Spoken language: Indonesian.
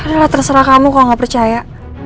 ya udah lah terserah kamu kalau nggak percaya